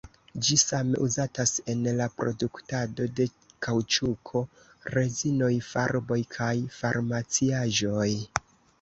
Ĝi same uzatas en la produktado de kaŭĉuko, rezinoj, farboj kaj farmaciaĵoj.